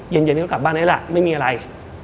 เย็นนี้ก็กลับบ้านได้ล่ะไม่มีอะไร